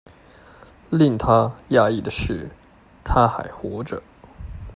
令他訝異的是她還活著